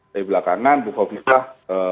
dari belakangan bukowifah